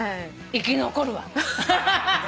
生き残るわ。